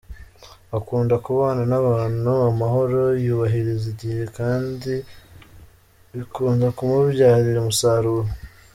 Akunda kubana n’abantu amahoro, yubahiriza igihe kandi bikunda kumubyarira umusaruro.